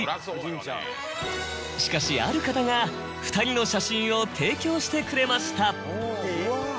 しかしある方が２人の写真を提供してくれました。